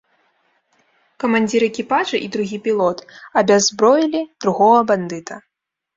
Камандзір экіпажа і другі пілот абяззброілі другога бандыта.